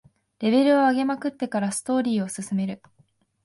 レベル上げまくってからストーリーを進める